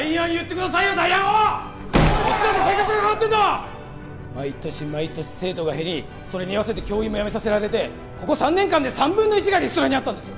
こっちだって生活がかかってんだ毎年毎年生徒が減りそれに合わせて教員も辞めさせられてここ３年間で３分の１がリストラにあったんですよ